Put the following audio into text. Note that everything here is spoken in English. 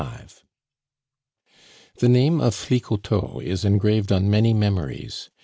"LUCIEN." The name of Flicoteaux is engraved on many memories.